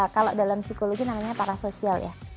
kalau dalam psikologi namanya parasosial ya